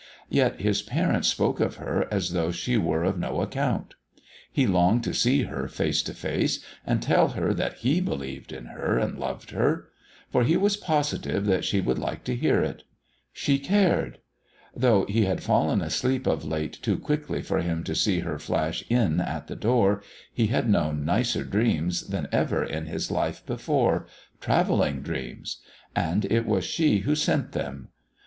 Yet his parents spoke of her as though she were of no account. He longed to see her, face to face, and tell her that he believed in her and loved her. For he was positive she would like to hear it. She cared. Though he had fallen asleep of late too quickly for him to see her flash in at the door, he had known nicer dreams than ever in his life before travelling dreams. And it was she who sent them.